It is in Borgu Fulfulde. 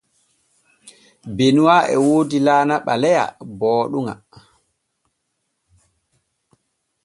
Benuwa e woodi laana ɓaleya booɗuŋa.